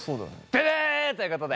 ブブということで。